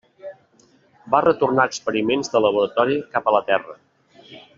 Va retornar experiments de laboratori cap a la Terra.